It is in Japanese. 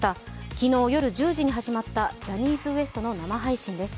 昨日夜１０時に始まった、ジャニーズＷＥＳＴの生配信です。